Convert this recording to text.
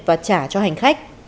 và trả cho hành khách